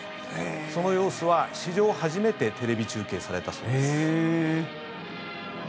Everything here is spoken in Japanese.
その様子は史上初めてテレビ中継されたそうです。